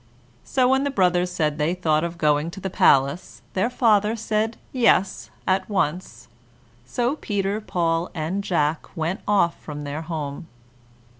So when the brothers said they thought of going to the palace, their father said "yes" at once. So Peter, Paul, and Jack went off from their home.